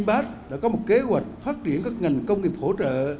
tôi biểu dương vingroup đã có một kế hoạch phát triển các ngành công nghiệp hỗ trợ